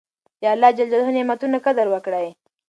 د الله نعمتونو قدر وکړئ.